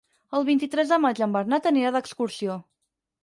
El vint-i-tres de maig en Bernat anirà d'excursió.